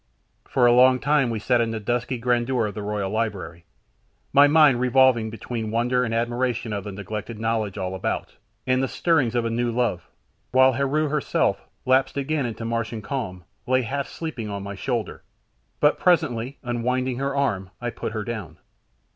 For a long time we sat in the dusky grandeur of the royal library, my mind revolving between wonder and admiration of the neglected knowledge all about, and the stirrings of a new love, while Heru herself, lapsed again into Martian calm, lay half sleeping on my shoulder, but presently, unwinding her arms, I put her down.